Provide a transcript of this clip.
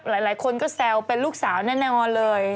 หลายคนก็แซวเป็นลูกสาวแน่นอนเลย